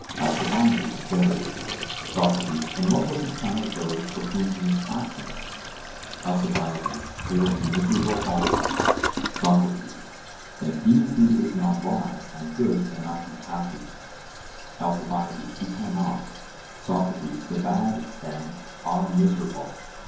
ALCIBIADES: Very. SOCRATES: And what will become of those for whom he is acting? ALCIBIADES: They will be miserable also. SOCRATES: Then he who is not wise and good cannot be happy? ALCIBIADES: He cannot. SOCRATES: The bad, then, are miserable?